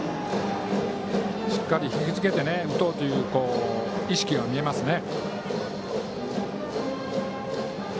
しっかり引きつけて打とうという意識が見えますね。